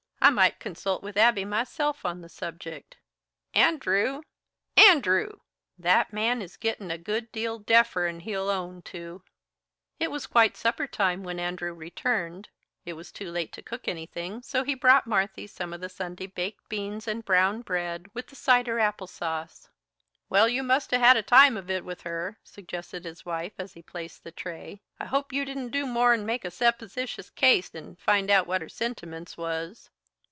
I might consult with Abby, myself, on the subject An ndrew! An ndrew! That man is gittin' a good deal deafer'n he'll own to." It was quite supper time when Andrew returned; it was too late to cook anything, so he brought Marthy some of the Sunday baked beans and brown bread, with the cider apple sauce. "Well, you must 'a' had a time of it with her," suggested his wife as he placed the tray. "I hope you didn't do more'n make a suppositious case and find out what her sentiments was."